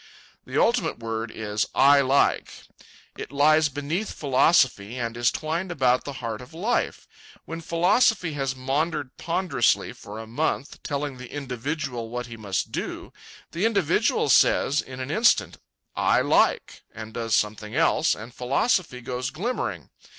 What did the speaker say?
The ultimate word is I LIKE. It lies beneath philosophy, and is twined about the heart of life. When philosophy has maundered ponderously for a month, telling the individual what he must do, the individual says, in an instant, "I LIKE," and does something else, and philosophy goes glimmering.